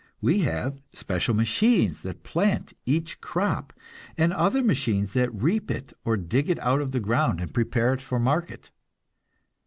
We have special machines that plant each crop, and other machines that reap it or dig it out of the ground and prepare it for market.